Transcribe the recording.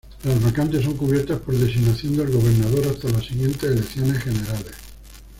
Las vacantes son cubiertas por designación del Gobernador hasta las siguientes elecciones generales.